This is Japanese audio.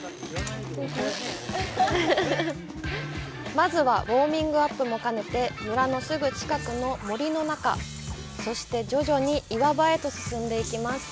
まずは、ウオーミングアップも兼ねて村のすぐ近くの森の中そして徐々に岩場へと進んでいきます。